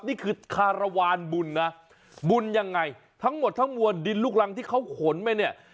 นี่คือคารวาลบุญนะบุญยังไงทั้งหมดทั้งมวลดินลูกรังที่เขาขนไปเนี่ย